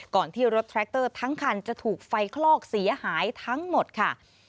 ที่รถแทรคเตอร์ทั้งคันจะถูกไฟคลอกเสียหายทั้งหมดค่ะ